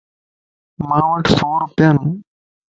ماوٽ سوروپيا ان